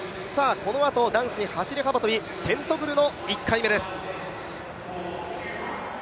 このあと男子走幅跳、テントグルの１回目です。